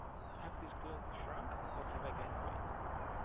Have these clothes shrunk, or have I gained weight?